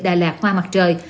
đà lạt hoa mặt trời